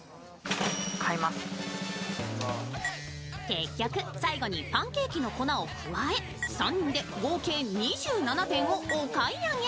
結局、最後にパンケーキの粉を加え３人で合計２７点をお買い上げ。